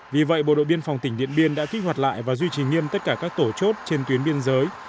vì vậy bộ đội biên phòng tỉnh điện biên đã kích hoạt lại và duy trì nghiêm tất cả các tổ chốt trên tuyến biên giới